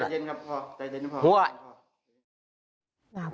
เย็นครับพ่อใจเย็นนะพ่อ